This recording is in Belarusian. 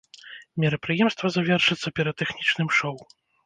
Мерапрыемства завершыцца піратэхнічным шоў.